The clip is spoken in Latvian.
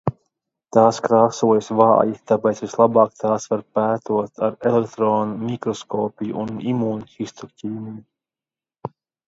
Tās krāsojas vāji, tāpēc vislabāk tās var pētot ar elektronmikroskopiju un imūnhistoķīmiju.